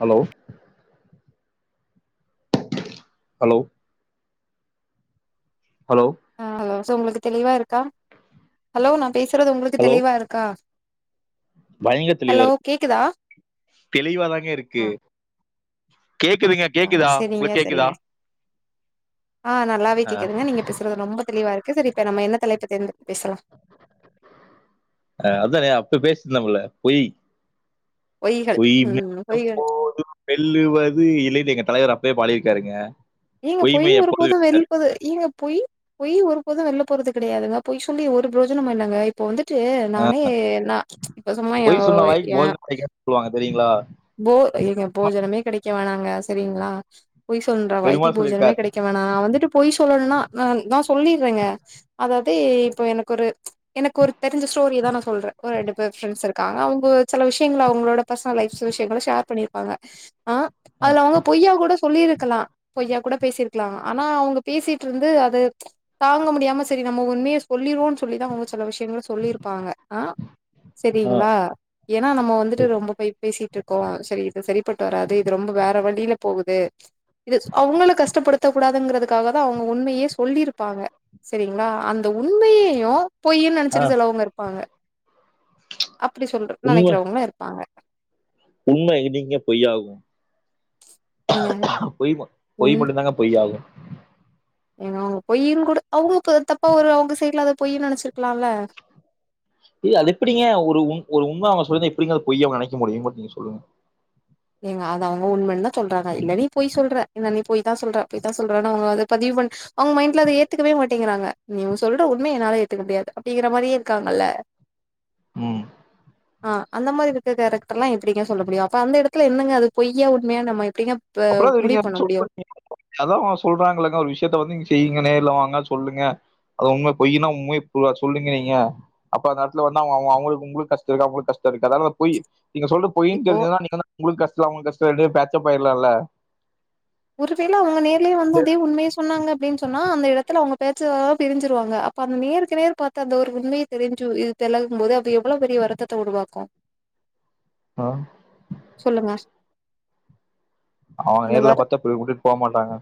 Hello hello hello ஆ hello so ஒங்ளுக்கு தெளிவா இருக்கா ஹலோ நா பேசுறது உங்ளுக்கு ஹலோ தெளிவா இருக்கா பயங்கர தெளிவா ஹலோ இருக்கு கேக்குதா தெளிவாதாங்க இருக்கு கேக்குதுங்க ஆஹ் கேக்குதா செரிங்க உங்களுக்கு கேக்குதா செரிங்க ஆஹ் நல்லாவே அஹ் கேக்குதுங்க நீங்க பேசுறது ரொம்ப தெளிவா இருக்கு செரி இப்ப நம்ம என்ன தலைப்ப தேர்ந்தெ பேசலா அஹ் அதாங்க அப்ப பேஸ்சிருந்தமொல்ல பொய் பொய்கள் பொய் ம் மட்டும் பொய்கள் போதும் வெல்லுவது இலை எங்க தலைவர் அப் பேயே பாடியிருக்காருங்க நீங்க பொய் பொய்மை ஒரு எப்போது போதும் வெல்லாது வெள்வது ஏங்க பொய் பொய் ஒரு போதும் வெல்ல போறது கெடையாதுங்க பொய் சொல்லி ஒரு புரோஜனமும் இல்லங்க இப்போ வந்து ட்டு அஹ் நானே நா ப்ச் இப்ப சும்மா ஏன் ய செரிங்ளா போ ஏங்க போஜனமே கெடைக்க வேனாங்க செரிங்ளா பொய் சொன்ற வாய்கி பெருமாள் போஜனமே சொல்லியிருக்கார் கிடைக்கவேணா நா வந்துட்டு போய் சொல்லணுனா நான் நா சொல்லிர்ங்க அதாவது இப்போ எனக்கு ஒரு ப்ச் எனக்கு ஒரு தெரிஞ்ச ஸ்டோரியதா நா சொல்ற ஒரு ரெண்டு பேர் ஃப்ரெண்ட்ஸ் இருக் காணாம போச்சு சில விஷ்யங்கள அவ்ங்களோட பர்சனல் லைஃப் சில விஷ்யங்கள ஷேர் பண்ணிருப்பாங்க ஆஹ் அதுல அவுங்க பொய்யா கூட சொல்லிருக் க்கலாம் பொய்யா கூட பேசிருக்கலா ஆனா அவ்ங்க பேசிட்ருந்து அது தாங்க முடியாம செரி நம்ம உண்மையே சொல்லிருவோ சொல்லிதா அவ்ங்க சில விஷ்யங்கள சொல்லிருப்பாங்க ஆஹ் ஆஹ் செரிங்ளா ஏனா நம்ம வந்துட்டு ரொம்ப பயிப் தீட்ருக்கோ சரி இது சரிப்பட்டு வராது இது ரொம்ப வேற வழில போகுது இது ஸ் அவுங்கள கஷ்டப்படுத்த கூடாதுங்கிறதுக்காகதான் அவுங்க உண்மயே சொல்லிருப்பாங்க செரிங்ளா அந்த உண்மேயயு பொய்யின் நெனச்சிட்டு ஆஹ் செலவுங்க இருப்பாங்க அப்டி சொல்ற நெனக்கிறவங்ளு இருப்பாங்க உண்ம என்னக்கிங்க பொய்யாகு ஏங்க பொய் ம உண் பொய் மட்டுந்தாங்க பொய் ஆகு ஏங்க அவ்ங்க பொய்யின் கூட அவுங்குளுக்கு தப்பா ஒரு அவுங்க சைட்ல அத பொய்யின் நெனச்சிருக்லால்ல இல்ல அது எப்டிங்க ஒரு உண் ஒரு உம்ம அவுங்க சொல்லிருந்தா எப்டிங்க அது பொய் அவ்ங்க நெனக்க முடியும் மட் நீங்க சொல்லுங்க ஏங்க அத அவுங்க உண்மன் தான் சொல்றாங்க இல்ல நீ பொய் சொல்றெ இல்ல நீ பொய்தான் சொல்ற பொய்தா சொல்றனு அவுங்க அத பதிவு பண் அவ்ங்க மைண்ட்ல அத ஏத்துக்கவே மாட்டேங்குறாங்க நீ சொல்ற உண்மயே என்னால ஏத்துக்க முடியாது அப்டிங்கிற மாரியே இருக்காங்கல்லெ ம் அ அந்த மாரி விட்ட கேரெக்டர்லா எப்டிங்க சொல்ல முடியு அப்ப அந்த எடத் துல என்னங்க அது பொய்யா உண்மையா நம்ம எப்டிங்க ப அப்றோ விடுங்க முடிவு பண்ண முடியு [unintelligible] அதா அவுங்க சொல்றாங்கல்லங்க ஒரு விஷ்யத்த வந்து நீங்க செய்ங்கனு இல்ல வாங் க சொல்லுங்க அது உண்ம பொய்யினு உண்மை புறா சொல்லுங்க நீங்க அப்ப அந்த எட்த்துல வந்து அவ அவ அவங்களுக்கு உங்களுக்கு கஷ்ட இருக் அவங்களுக்கு கஷ்டோ இருக்காதா அதனால பொய் நீங்க சொல்டரு பொய்ன் இப்போ தெரிஞ்சதுனா நீங்களா உங்ளுக் கஷ்டோ அவுங்ள்க் கஷ் சோ ரெண்டயு பேச்சப் ஆய்ர்லால்ல ஒருவேள அவுங்க நேர்லே வந்த அதே உண்மயே சொன்னாங்கப் அப்டின் சொன்னா அந்த எடத்துல அவுங்க பேச்சா பிரிஞ்சிருவாங்க அப்ப அந்த நேருக்கு நேர் பாத்த அந்த ஒரு உண்மிய தெரிஞ்சு இது பெலகும் போது அப்ப எவ்ளோ பெரிய வருத்தத்த உருவாக்கு ம் சொல்லுங்க அவுங் அந்த நேர்ல வருத் பாத் த பேய் உட்டுட் போ மாட்டாங்க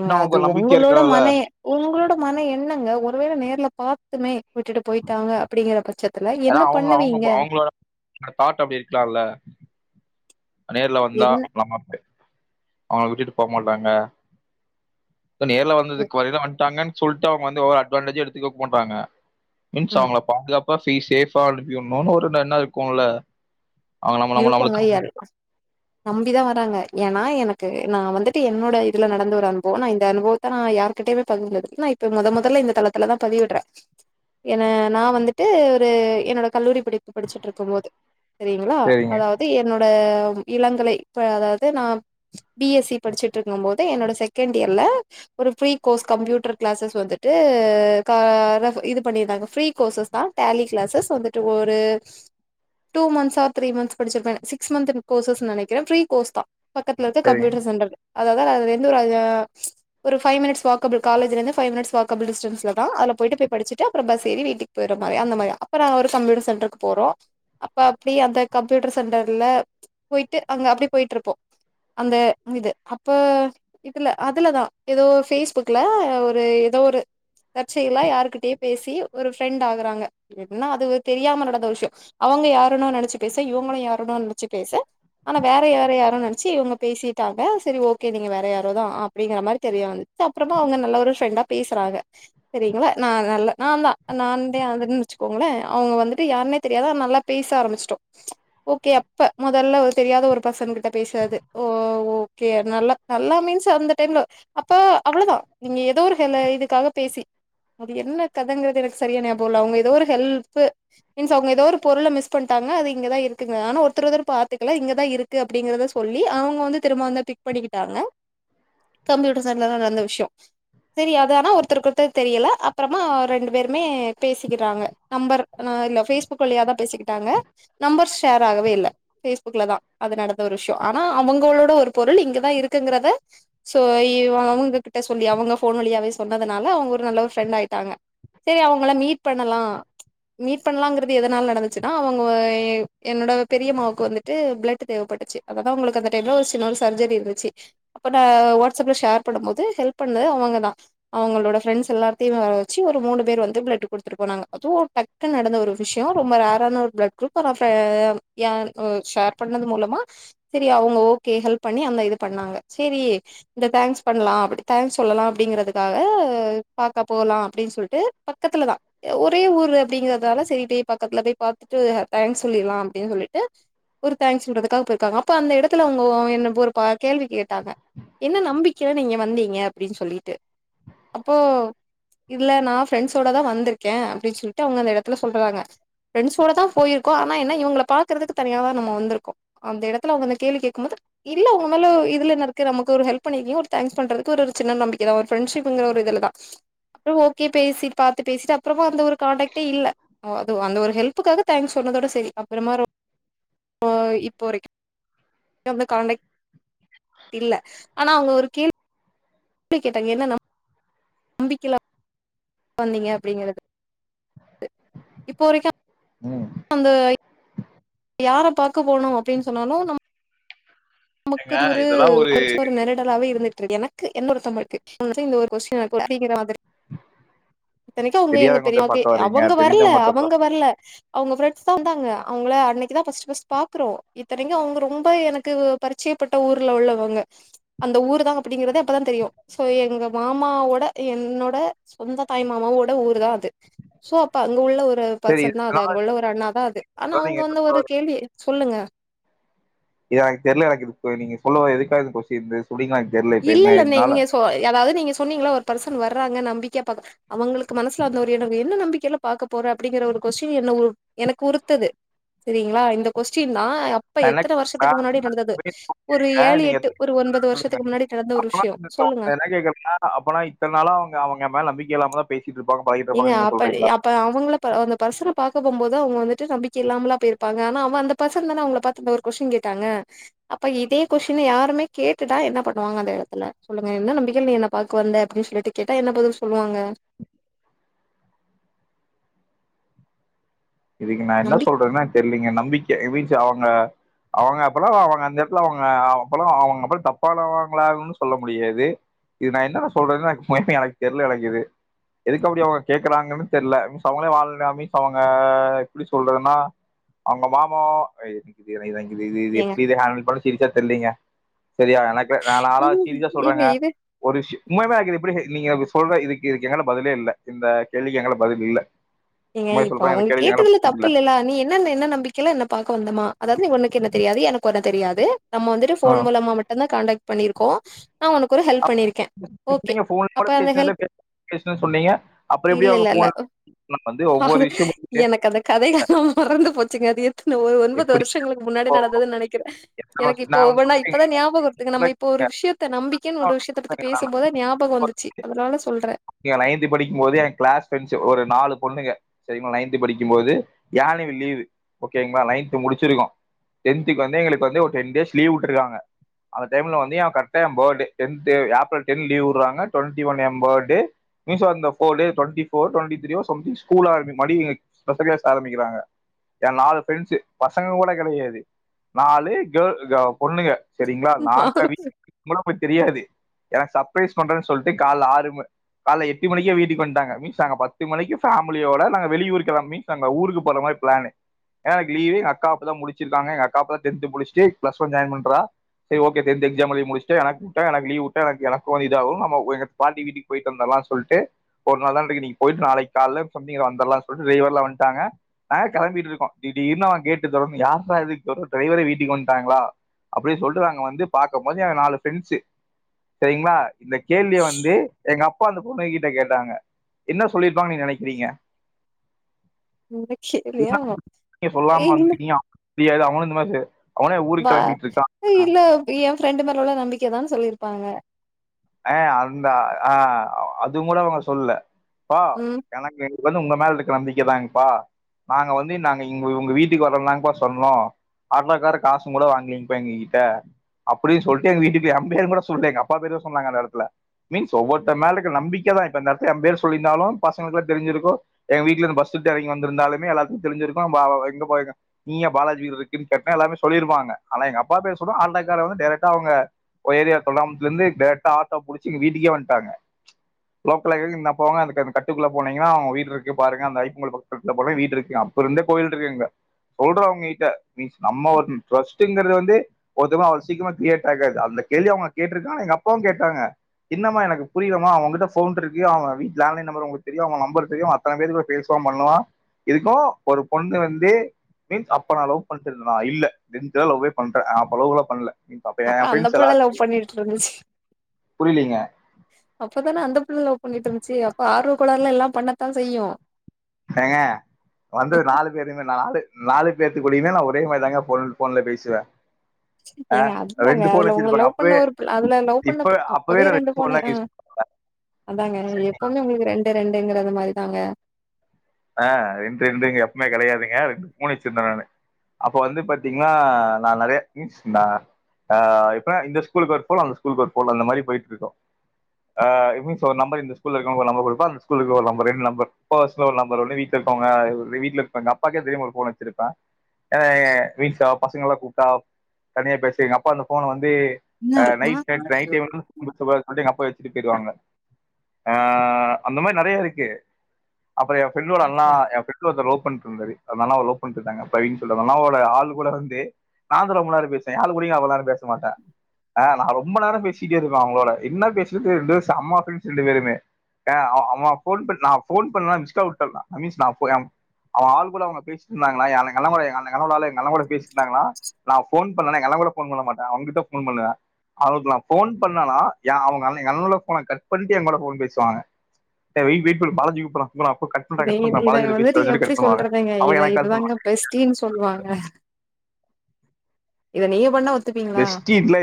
ஏங்க இன்னும் அது அவங்களுக்கு ஒரு நம்பிக்கை உங்களோட இருக்கலாம்ல மன உங்களோட மன எண்ணங்க ஒருவேள நேர்ல பா துமே விட்டுட்டு பொய்ட்டாங்க அப்டிங்கற பச்சத்துல ஏன்னா என்ன அவங்க அவங்க பண்ணுவீங்க அவங்களோட தாட் அப்படி இருக்கலாம்ல நேர்ல வந்தா என்ன நா மாப்பே அவுங்ள விட்டுட்டு போ மாட்டாங்க நேர்ல ம் வந்ததுக்கு வரில வந்ட்டாங்க சொல்ட்டு அவுங்க வந்து ஓவர் அட்வான்டேஜ் எடுத்துக்க மாட்டாங்க மின்ஸ் ம் அவுங்ள பாதுகாப் பா பி சேஃபா அனுப்பியுட்னுனு ஒரு எண்ணோ இருக்குல்ல இருக்குங்க எல் நம்பிதா வராங்க ஏனா எனக்கு நா வந்துட்டு என்னோட இதுல நடந்த ஒரு அனுபவோ நா இந்த அனுபவத்த நா யார்கிட்டயுமே பகிர்ல இது நா இப்ப மொத மொதல்ல இந்த தளத்துலதா பதிவிட்றே என்ன நா வந்துட்டு ஒரு என்னோட கல்லூரி படிப்பு படிச்சிட்டு இருக்கும்போது சரிங்களா சரிங்க அதாவது என்னோட [unintelligible] இளங்கலை இப்ப அதாவது நா பிஎஸ்சி படிச்சிட்டு இருக்கும் போது என்னோட செகண்ட் இயர்ல ஒரு ஃப்ரீ கோஸ் கம்யூட்டர் க்ளசஸ் வந்துட்டு கா ரெ இது பண்ணிருக்காங்க ஃப்ரீ கோசஸ் தா டலி க்ளசஸ் வந்துட்டு ஒரு டூ மந்த்ஸ்சா த்ரீ மந்த்ஸ் படிச்சிருப்ப சிக்ஸ் மந்த் கோர்சஸ் நனைக்கிற‌ ஃப்ரீ கோஸ் தா பக்கத்துல இருக்க சரிங்க கம்ப்யூட்டர் சென்டர்ல அதாது அதுல இந்து ஒரு அ ஒரு ஃபைவ் மினிட்ஸ் வாக்கபிள் காலேஜ்லேந்து ஃபைவ் மினிட்ஸ் வாக்கபில் டிஸ்டன்சுல தா அதுல போய்ட்டு பய் படிச்சுட்டு அப்றோ பஸ் ஏறி வீட்டுக்கு போய்ற மாரி அந்த மாரி அப்ப நா ஒரு கம்ப்யூட்டர் சென்டருக்கு போறோ அப்ப அப்டி அந்த கம்ப்யூட்டர் சென்டர்ல போய்ட்டு அங்க அப்டி போய்ட்டு இருப்போ அந்த இது அப்போ இதுல அதுல தா ஏதோ ஃபேஸ்புக்ல ஒரு ஏதோ ஒரு தற்செயலா யார்கிட்டயோ பேசி ஒரு ஃப்ரெண்ட் ஆகுறாங்க எப்டினா அது தெரியாம நடந்த விஷயோ அவங்க யாருன்னோ நனச்சு பேச இவங்களு யாரோடோ நனச்சு பேச ஆனா வேற யாரு யாரோன் நனச்சு இவங்க பேசிட்டாங்க சரி ஓகே நீங்க வேற யாரோ தா அப்டிங்கற மாரி தெரிய வந்து அப்றமா அவங்க நல்ல ஒரு ஃப்ரெண்டா பேசுறாங்க சரிங்களா நா நல்ல நாந்தா நாந்தே அதுன் வச்சுக்கோங்கள அவங்க வந்துட்டு யாருனே தெரியாது ஆனா நல்லா பேச ஆரம்பிச்சிட்டோ ஓகே அப்ப மொதல்ல தெரியாத ஒரு பர்சன் கிட்ட பேசுறது ஓ ஓகே நல்லா நல்லா மீன்ஸ் அந்த டைம்ல அப்ப அவ்ளதா நீங்க ஏதோ ஒரு ஹெல் இதுக்காக பேசி அது என்ன கதங்கிறது எனக்கு சரியா ஞாபம் இல்ல அவங்க ஏதோ ஒரு ஹெல்ப்பு மீன்ஸ் அவங்க ஏதோ ஒரு பொருள மிஸ் பண்டாங்க அத இங்க தா இருக்குங்க ஆனா ஒருத்த ஒருத்தர் பாத்துக்கல இங்கதா இருக்கு அப்டிங்கறத சொல்லி அவங்க வந்து திரும்ப வந்த பிக் பண்ணிகிட்டாங்க கம்யூட்டர் சென்டர்ல தா நடந்த விஷயோ சரி அது ஆனா ஒருத்தருக்கொருத்தர் தெரியல அப்றமா ரெண்டு பேருமே பேசிக்கிறாங்க நம்பர் நா இல்ல பேஸ்புக் வழியா தா பேசிக்கிட்டாங்க நம்பர்ஸ் ஷேர் ஆகவே இல்ல பேஸ்புக்லதா அது நடந்த ஒரு விஷயோ ஆனா அவங்களோட ஒரு பொருள் இங்கதா இருக்குங்கிறத சோ அவங்ககிட்ட சொல்லி அவங்க போன் வழியாவே சொன்னதுனால அவங்க ஒரு நல்ல ஒரு ஃப்ரெண்ட் ஆய்ட்டாங்க செரி அவங்கள மீட் பண்ணலாம் மீட் பண்ணலாம்ங்கறிறது எதனால நடந்துச்சுன்னா அவங்க [unintelligible] என்னோட பெரியம்வுக்கு வந்துட்டு பிளட் தேவைப்பட்டுச்சி அத்த அவங்களுக்கு அந்த டைம்ல ஒரு சின்ன ஒரு சுர்ஜ்ரி இருந்துச்சி அப்ப நா வாட்ஸாப்ல ஷேர் பண்ணும்போது ஹெல்ப் பண்ணது அவகாத அவர்களுடா. பிரெண்ட்ஸ் எல்லாத்தையும்மே வரவச்சி ஒரு மூணு பேர் வந்து பிளட் குடுத்துட்டு போனாங்க அது டக்குனு நடந்த ஒரு விஷயம் ரொம்ப ரேர ஒரு பிளட் குரூப் [unintelligible] ஷேர் பண்ணது மூலமா சரி அவங்க ஓகே ஹெல்ப் பண்ணி அந்த இது பண்ணாங்க செரி இந்த தேங்க்ஸ் பண்ணலாம் அப்படி தேங்க்ஸ் சொல்லலாம் அப்படிங்கறதுக்காக பாக்க போலாம் அப்படின்னு சொல்லிட்டு பக்கத்துல தான் ஒரே ஊரு அப்படிங்கறதால சரி இதே பக்கத்துல போய் பாத்துட்டு தேங்க்ஸ் சொல்லிடலாம் அப்டின்னு சொல்லிட்டு ஒரு தேங்ஸ் சொல்றதுக்காக பெய்ருக்காங்க அப்ப அந்த இடத்தில அவுங்க அவ என்ன ஒரு பா கேள்வி கேட்டாங்க என்ன நம்பிக்கைய நீங்க வந்தீங்க அப்படின்னு சொல்லிட்டு அப்போ இல்ல நான் ஃபிரெண்ட்ஸோட தான் வந்திருக்கேன் அப்டின்னு சொல்லிட்டு அவங்க அந்த இடத்துல சொல்றாங்க ஃபிரண்ஸ் ஓட தான் போயிருக் கோ ஆனா என்ன இவங்கள பாக்குறதுக்கு தனியா வேர வந்துருக்கோம் அந்த எடத்துல அந்த கேள்வி கேக்கும்போது. இல்ல ஒண்னுயில்ல இதுல என்னருக்கு நமக்கு ஒரு ஹெல்ப் பண்ணுறுக்கீங்க ஒரு தேங்க்ஸ் பண்றதுக்கு ஒரு ரு சின்ன நம்பிக்க தா ஒரு ஃபிரெண்ட்ஷிப் கிற ஒரு இதுலதா. ஓகே பேசி பாத்து பேசி அப்புற எந்த ஒரு கான்ண்டாக்டே இல்ல அந்த ஒரு ஹெல்பக்காக தேங்க்ஸ் சொன்னதோட செரி அப்புறமா றோம் இப்பாவரைக்கும் வந்து காண்டேக்ட் இல்ல ஆனா அவங்க ஒரு கேள்வி வி கேட்டாங்க என்னன்னா நம்பிக்கலாம் வந்தீங்க அப்டிங்கறது இப்போ வரைக்கும் உஹம் அந்த யார பாக்க போனும் அப்படின்னு சொன்னாலும் நம் நமக்கு ஏங்க அது ஒரு இதெல்லாம் அதோரச்சன்ன நரிடலாவவே இருந்து எனக்கு என்ன ஒரு தமிழ்க்கு போன டைம் ஒரு கொஸ்டின்கூட [inaudible] இத்தனைக்க அவங்க எங்க பெரிய தெரியாதவங்கத்த பாக்க வர்றீங்க அவங்க வரல தெரிஞ்சவங்கத்த பா அவங்க வரல அவங்க ஃபிரெண்ட்ஸ் தான் வந்தாங்க அவங்கள அன்னைக்கு தான் ஃபர்ஸ்ட் ஃபர்ஸ்ட் பாக்குறோம் இத்தனைக்கு அவங்க ரொம்ப எனக்கு பரிச்சயப்பட்ட ஊர்ல உள்ளவங்க அந்த ஊர் தான் அப்படிங்கற அப்பதான் தெரியும் சோ எங்க மாமாவோட என்னோட சொந்த தாய் மாமாவோட ஊரு தான் அது சோ அப்ப அங்க உள்ள ஒரு ஒரு சரி பர்சன் தான் அது இதனால அங்க உள்ள ஒரு அண்ணா தான் அது ஆனா அவங்க நீங்க வந்து ஒரு கேள்வி சொல்லுங்க இது எனக்கு தெரில எனக்கு இ நீங்க சொல்ல வாரிங்க எதுக்காக இந்த கொஸ் இல்ல இல்லங்க நீங்க சொன் அதாவது நீங்க சொன்னீங்கள்ல ஒரு பர்சன் வர்றாங்க நம்பி கேப்பாங்க அவுங்களுக்கு மனசுல அந்த ஒரு என்னோ இருக்கோ என்ன நம்பிக்கையில பாக்க போற அப்டிங்கற ஒருக்கொஸ்டின் எனக்கு உருத்தது சேரிங்களா இந்த கொஸ்டின் நா அப்ப நான் என்ன எத்தன வருஷத்துக்கு நான் முன்னாடி நடந்தது போயிருக்கேங்க ஒரு ஏழு நீங்க எட்டு ஒரு ஒன்பது சொல்லுங்க வருஷத்துக்கு முன்னாடி ஒரு அப்பனா விஷயம் சொல்லுங்க [inaudible] என்ன கேக்குறீங்கன்னா அப்பனா இத்தன நாளா அவுங்க அவுங்க மேல நம்பிக் எளனமா பேசி எங்க அப்ப அப்ப அவுங்கள அந்த பசங்கள பா போகும்ப போது அவுங்க வந்துட்டு நம்பிக்க இல்லாமலா போயிருப்பாங்க ஆனா அவே அந்த பசங்க தானே அவுங்கள பாத்து ஒரு கொஸ்டின் கேட்டாங்க அப்ப இதே கொஷ்டின யாருமே கேட்டுட்டா என்ன பண்ணுவாங்க அந்த எடத்துல சொல்லுங்க என்ன நம்பிக்கைய்ல நீ என்ன பாக்க வந்த அப்டின்னு சொல்லிட்டு கேட்டா என்ன பதில் சொல்லுவாங்க இதுக்கு நா என்ன நம்பி சொல்றதுன்ன தெரிலீங்க என்ன நம்பிக்க ஐ மீன்ஸ் அவுங்க அவுங்க அப்பல்லா அவுங்க அந்த இடத்துல அவுங்க அப்பல்லா அவுங்க அப்பல் தப்பவாங்களானு சொல்ல முடியாது இது நா என்ன நா சொல்றேன்ன எனக்கு தெரியல எனக்கு இது எதுக்கு அப்டி அவுங்க கேக்குறாங்கன்னு தெரியல மீன்ஸ் அவுங்களே வாழ மீன்ஸ் அவுங்க எப்டி சொல்றதுன்னா அவுங்க மாம எனக்கு இத இதங் இது இது ஏங்க எப்டி இத ஹண்ட்ல் பண்ற சீரியஸ்ஸா தெரிலீங்க சரியா எனக்கு நா நாளா ஏங்க சீரியஸ்ஸா ஏங்க சொல்றேங்க இது ஒரு விஷ் உண்மதா அது எப்படி நீங்க சொல்ற இதுக்கு இதுக்கு என்னாண்ட பதிலே இல்ல இந்த கேள்விக்கு எங்கைல பதிலே இல்ல நீங்க உண்மையை இப்ப சொல்றேன் இந்த அவங்க கேள்விக்கு எங்களை கேட்டது இல்ல பதில் தப்பில்ல இல்ல நீ என்ன என்ன நம்பிக்கையில என்ன பாக்க வந்தமா அதாவது உன்னக்கு இந்த தெரியாது எனக்கு உன்ன தெரியாது நம்ம வந்துட்டு ஃபோன் ம். மூலமா மட்டும் தா காண்டாக்ட் பண்ணிருக்கோம் நா உனக்கு ஒரு ஹெல்ப் பண்ணிருக்கே ஓகே நீங்க ஃபோன் கூட அப்ப அந்த பேசுனது இல்ல ஹெல்ப் [inaudible] பேசலன்னு சொன்னீங்க அப்றோ எப்டி இல்ல அவுங்க இல்ல இல்ல ஃபோன் அது எனக்கு அந்த கதைகள்லா மறந்து போச்சுங்க அது எ ஒரு ஒன்பது எப்படி வருஷங்களுக்கு முன்னாடி இப்போ நடந்ததுன்னு நெனைக்கிறே எத்தன எனக்கு வருஷ இப்போ நான் ஒண்ணு ஒவ்வொன்னா சொல்றேங்க இப்பதா ஞாபகம் வருத்துங்க நம்ம இப்போ ஒரு விஷயத்த நம்பிக்கன்னு ஒரு விஷயத்த பத்தி பேசும்போது ஒரு ஞாபகோ வந்துச்சு அதனால சொல்றே அப்டியா நைன்த் படிக்கும் போது என் கிளாஸ் ஃரெண்ட்ஸ் ஒரு நாலு பொண்ணுங்க சேரிங்களா நைன்து படிக்கும்போது அன்வெளி லீவு ஓகேங்களா நைன்த்து முடிச்சிருக்கோ டென்த்துக்கு வந்து எங்களுக்கு வந்து ஒரு டென் டேஸ் லீவ் உட்டிருக்காங்க அந்த டைம்ல வந்து என் கரெக்டா என் birthday tenth April ten leave விட்றாங்க டுவென்டி ஒன் என் பத்டே மிஷோ அந்த four day twenty four twenty திரியோ டெண்டி school ஆரம்பிக் முன்னாடி ஸ்பெஷல் கிளாஸ் ஆரம்பிக்குறாங்க என் நாலு ஃபிரின்ட்ஸ் பசங்க கூட கிடையாது நாலு கேர்ள் பொண்ணுங்க சேரிங்களா நாங்க நாலு வீட்டு போய் தெரியாது எனக்கு சர்ப்ரைஸ் பண்றேன்னு சொல்லிட்டு கால்ல ஆறுமணி காலை எட்டு மணிக்கே வீட்டுக்கு வண்டாங்க மீன்ஸ் நாங்க பத்து மணிக்கு ஃபேமிலி ஓட நாங்க வெளியூர் கிளம்பி நாங்க ஊருக்கு போற மாரி ஃப்ளானு என்னா எனக்கு லீவு எங்க அக்கா அப்பதா முடிச்சி இருகாங்க எங்க அக்கா டென்த் முடிச்சிட்டு பிளஸ் ஒன் ஜாயின் பண்ணறா சேரி ஓக்கே டென்த் எக்ஸாம் எழுதி முடிச்சுட்டு எனக்கு லீவு விட்டா எனக் எனக்கோ வந்து இது ஆவு எங்க பாட்டி வீட்டுக் போயிட்டு வந்தர்லான்னு சொல்ட்டு ஒரு நாள் தா இருக்கு நீங்க போயிட்டு நாளைக்கு காலைல [unintelligible] வந்தலாம்னு சொல்லிட்டு டிரைவர்லாம் வன்டாங்க நாங்க கெளம்பிட்டு இருக்கோ திடீர்னு அவே கேட்டு தொறந்து யார்ரா இது யாரோ டிரைவரே வீட்டுக்கு வன்ட்டாங்களா அப்டி சொல்டு நாங்க வந்து பாக்கும்போது எங்க நாலு ஃப்ரெண்ட்ஸ் சேரிங்களா இந்த கேள்விய வந்து எங்க அப்பா அந்த பொண்ணு கிட்ட கேட்டாங்க என்ன சொல்லிருப்பாங்க நீங்க நெனைக்கிறீங்க [inaudible] நீங்க சொல்லாம ஏய் இல்ல வந்திருக்கீங்க. அவனுக்கு தெரியாது அவுங்காலு இந்த மாரி அவனே ஊருக்கு வா கிளம்பிட்டு இருக்கான். இல்ல எ ஃப்ரெண்டு மேல உள்ள நம்பிக்கைதானு சொல்லியிருப்பாங்க அஹ் அந்தா ஆஹ் அது கூட அவங்க சொலுல்ல ப்பா ம் எனக்கு வந்து உங்க மேல இருக்கற நம்பிக்கை தாங்கப்பா நாங்க வந்து நாங்க இங்க உங்க வீட்டுக்கு வரோதாங்ப்பா சொன்னோ ஆடோக்கார காசும் கூட வாங்கீலீங்கப்பா எங்க கிட்ட அப்படின்னு சொல்லிட்டு எங்க வீட்டுக்கு எம் பேருங்கூட சொல்ங்க எங்க அப்பா பேருதா சொ சொன்னாங்க அந்த எடத்துல நீங்க்ஸ் ஒவ்வொருத்தர் மேல இருக்கற நம்பிக்கதா இப்ப இந்த எடத்துல எம்பேரு சொல்லியிருந்தாலு பசங்களுகெல்லா தெரிஞ்சிருக்கு எ வீட்டிலிருந்து பஸ்வுட்டு எறங்கி வந்திருந்தாலுமே எல்லாருக்கு தெரிஞ்சிருக்கு அவ பா இங்க போறக்கு நீயே பாலாஜி வீடு இருக்குன்னு கேப்ப எல்லாருமே சொல்லியிருப்பாங்க ஆனா எங்கப்பா பேரு சொல்றோ ஆட்டோக்கார வந்து டேரக்ட்டா அவுங்க ஒரு எரியா [unintelligible] இருந்து பே த ஆட்டோ புடிச்சி வீட்டுக்கே வந்துட்டாங்க லோக்க [unintelligible] இந்தாப் போங்க அந்தக் க கட்டுக்குள்ள போனீங்காங்கனா அவுங்க வீடு இருக்கு பாருங்க அந்த ஐ [unintelligible] வீடிருக்கு அப்ப இருந்த கோவில் இருக்கு அங்க சொல்றவங்ககிட்ட நீ நம்ம அவ ஃப்ர்ஸ்டுங்கிறது வந்து ஒருத்தவங்க அவ்ளோ சீக்கரமா கிரீயேட் ஆகாது அந்தக் கேள்வி அவங்க கேட்டிருக்காங்க எங்க அப் ப்பவு கேட்டாங்க என்னம்மா எனக்கு புரியலமா அவகிட்ட ஃபோன் இருக்கு அவ வீட்டு் லேண்ட்லைன் நம்பர் உங்களுக்கு தெரியு அவங்க நம்பர் தெரியு அத்தனை பேர் கூட பேசுவா பண்ணுவா இதுக்கு ஒரு பொண்ணு வந்து மீன்ஸ் அப்ப நா லவ் பண்ட்டு இருந்தனா இல்ல சின்சியரா லவ்வே பண்ற அப்ப லவெல்ல பண்ணல மீன்ஸ் அப்ப என் அந்த ஃப்ரெண்ட்ஸ் எல்லா புள்ள லவ் பண்ணிட்டு இருந்துச்சு புரியலீங்க அப்பதானே அந்த புள்ள லவ் பண்ணிட்டு இருந்துச்சு அப்ப ஆர்வகோளாறுல எல்லா பண்ணத்தா செய்யு ஏங்க வந்தது நாலு பேருங்க நாலு நாலு பேத்துக்குடியுமே நா ஒரே மாதிரி தாங்க ஃபோன் ஃபோன்ல பேசுவே ஆ ஏங்க அதுதாங்க ரெண்டு ஃபோன் அதுல உங்களை வச்சிருப்பாங்க லவ் பண்ண அப்பவே ஒரு புள் அதுல லவ் பண்ண இப்ப புள் அப்பவே நா ரெண்டு ஃபோன் ஃபோனு தாங்க யூஸ் ஆஹ் அதாங்க எப்பவுமே உங்களுக்கு ரெண்டு ரெண் ங்கற மாதிரி தாங்க ஆஹ் ரெண் ரெண்டுங்க எப்பமே கிடையாதுங்க ரெண்டு மூணு வெச்சிருந்த நானு அப்ப வந்து பாத்தீங்கன்னா நா நெறைய மீன்ஸ் அஹ் இப்ப இந்த ஸ்கூலுக்கு ஒரு ஃபோன் அந்த ஸ்கூலுக்கு ஒரு ஃபோன் அந்த மாதிரி போயிட்டு இருக்கோ அஹ் மீஸ் ஒரு நம்பர் இந்த ஸ்கூல இருக்கறவனுக்கு ஒரு நம்பர் குடுப்பா அந்த ஸ்கூல இருக்க ஒரு நம்பரு ரெண் நம்பர் பர்சன ஒரு நம் [unintelligible] உடனே வீட்டுல இருக்கவங்க வீட்டுல இருக்கற எங்க அப்பாவுக்கே தெரியாம ஒரு ஃபோன் வெச்சிருப்ப எ ரீல்ஸோ பசங்கெல்லா கூப்புட்ட தனியா பேச எங்க அப்பருந்த ஃபோன வந்து ஹ் நைட்டு [inaudible] எங்க அப்பா வச்சுட்டு போயிருவாங்க ஆஹ் அந்த மாரி நெறைய இருக்கு அப்புற எப் ஃப்ரெண்டோட அண்ணா என் ஃப்ரெண்ட் ஒருத்த [unintelligible] பண்ட்டு இருந்தாரு அந்த அண்ணாவ லவ் பண்ணிட்டு இருந்தாங்க பவின்னு சொல்லி அந்த அண்ணாவோட ஆள் கூட வந்து நாங்கதா ரொம்ப நேரோ பேசுவ எ ஆளுகூடயு அவ்ளோ நேரோ பேசமாட்ட ஆ நா ரொம்ப நேரோ பேசிட்டே இருப்ப அவங்களோட என்ன பேசிட்டே ரெண்டு பெரு செம ஃப்ரெண்ட்ஸ் ரெண்டு பேருமே ஏங்க அவ அவ ஃபோன் பண்ணி நா ஃபோன் பண்ணா மிஸ்கால் வுட் [unintelligible] அவ ஆள் கூட அவங்க பேசிட்டு இருந்தாகளா எங்க [unintelligible] எ அண்ணே கூட பேசியிருந்தாங்களா நா ஃபோன் பண்ணன்னா எ அண்ணே கூட ஃபோன் பண்ணமாட்டா [unintelligible] போன் பண்ணுவேன் அவளுக்கு நா ஃபோன் பண்ணனா எ அவங்க அண்ணே எங்க அண்ணோட ஃபோன கட் பண்ணிட்டு எ கூட ஃபோன் பேசுவாங்க ஏய் வெயி வெயிட் பண்ணு பாலாஜி கூப்படற உங்கள அப்றோ இத இதை இதைய வந்துட்டு எப்டி சொல்றதுங்க அவன் இதை எனக்கு கால் இதுதாங்க பண்ணுவான் பெஸ்ட்டின்னு சொல்வாங்க இத நீயே பண்ண ஒ பெஸ்டினுலா இல்